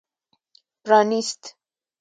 پرانېست.